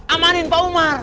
amanin pak umar